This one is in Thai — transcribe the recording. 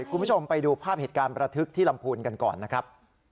คุณผู้ชมไปดูภาพเหตุการณ์ประทึกที่ลำพูนกันก่อนนะครับ